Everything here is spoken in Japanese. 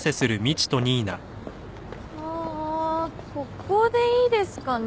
あここでいいですかね？